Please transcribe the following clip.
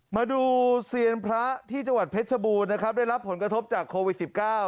มาดูเซียนพระที่จังหวัดเพชรบูรณ์นะครับได้รับผลกระทบจากโควิด๑๙